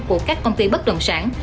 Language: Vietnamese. của các công ty bất đồng sản